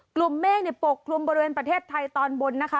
กลุ่มเมฆปกคลุมบริเวณประเทศไทยตอนบนนะคะ